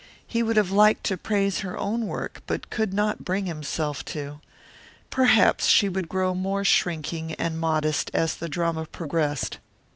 He would have liked to praise her own work, but could not bring himself to. Perhaps she would grow more shrinking and modest as the drama progressed.